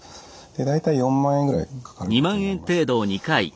大体４万円ぐらいかかることになります。